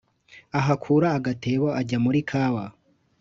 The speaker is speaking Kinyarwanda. Ahakura agatebo, Ajya muri ya kawa